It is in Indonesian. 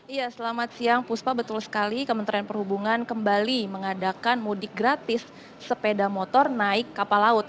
iya selamat siang puspa betul sekali kementerian perhubungan kembali mengadakan mudik gratis sepeda motor naik kapal laut